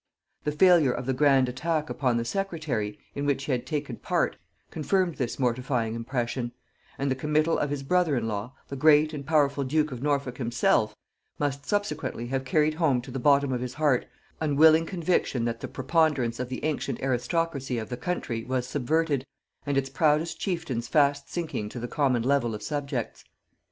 The failure of the grand attack upon the secretary, in which he had taken part, confirmed this mortifying impression; and the committal of his brother in law, the great and powerful duke of Norfolk himself, must subsequently have carried home to the bottom of his heart unwilling conviction that the preponderance of the ancient aristocracy of the country was subverted, and its proudest chieftains fast sinking to the common level of subjects.